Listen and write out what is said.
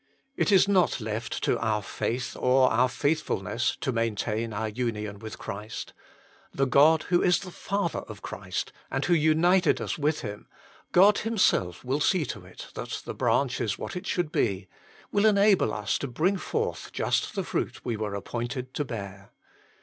It is not left to our faith or our faithfulness to maintain our union with Christ: the God, who is the Father of Christ, and who united us with Him, God Himself will see to it that the branch is what it should be, will enable us to bring forth just the fruit we were appointed to bear.